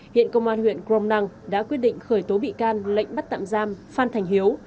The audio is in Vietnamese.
hiện công an huyện crom năng đã quyết định khởi tố bị can lệnh bắt tạm giam phan thành hiếu